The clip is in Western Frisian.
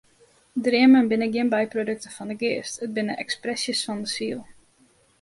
Dreamen binne gjin byprodukten fan de geast, it binne ekspresjes fan de siel.